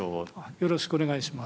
よろしくお願いします。